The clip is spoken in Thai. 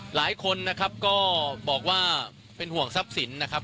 หลายคนนะครับก็บอกว่าเป็นห่วงทรัพย์สินนะครับ